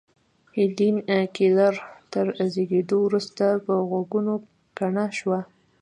هېلېن کېلر تر زېږېدو وروسته پر غوږو کڼه شوه